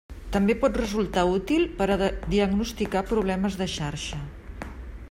També pot resultar útil per a diagnosticar problemes de xarxa.